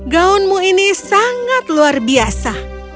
gaunmu ini sangat luar biasa